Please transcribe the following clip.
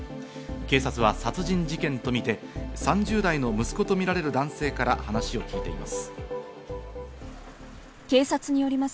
警察は殺人事件とみて３０代の息子とみられる男性から話を聞いています。